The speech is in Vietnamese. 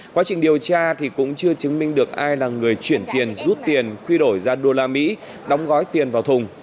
quá trình điều tra thì cũng chưa chứng minh được ai là người chuyển tiền rút tiền quy đổi ra đô la mỹ đóng gói tiền vào thùng